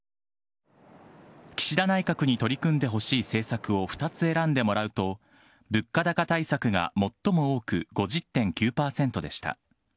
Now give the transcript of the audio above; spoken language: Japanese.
岸田内閣に取り組んでほしい政策を２つ選んでもらうと、物価高対策が最も多く５０．９％でした。